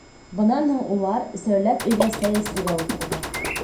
Бынан һуң улар өсәүләп өйҙә сәй эсергә ултырҙы.